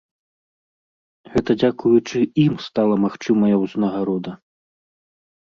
Гэта дзякуючы ім стала магчымая ўзнагарода.